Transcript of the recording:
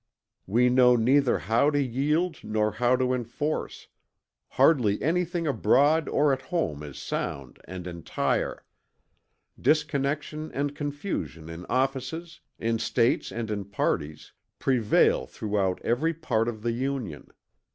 We know neither how to yield nor how to enforce hardly any thing abroad or at home is sound and entire disconnection and confusion in offices, in States and in parties, prevail throughout every part of the Union.